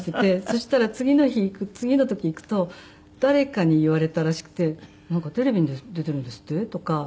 そしたら次の時行くと誰かに言われたらしくて「テレビに出ているんですって？」とか